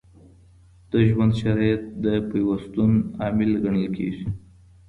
د ژوند شرایط د پیوستون عامل ګڼل کیږي.